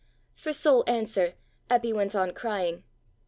For sole answer, Eppy went on crying.